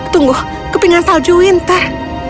tunggu kepingan salju winter